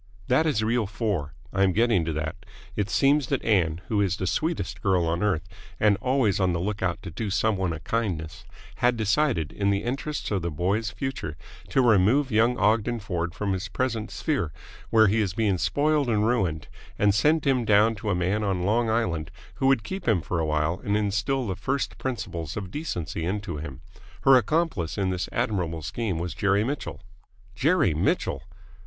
"That is reel four. I am getting to that. It seems that Ann, who is the sweetest girl on earth and always on the lookout to do some one a kindness, had decided, in the interests of the boy's future, to remove young Ogden Ford from his present sphere, where he is being spoiled and ruined, and send him down to a man on Long Island who would keep him for awhile and instil the first principles of decency into him. Her accomplice in this admirable scheme was Jerry Mitchell." "Jerry Mitchell!"